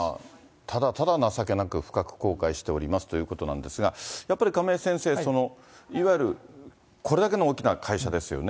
ただただ情けなく、深く後悔しておりますということなんですが、やっぱり亀井先生、いわゆるこれだけの大きな会社ですよね。